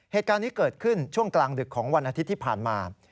เหตุการณ์นี้เกิดขึ้นช่วงกลางดึกของวันอาทิตย์ที่ผ่านมา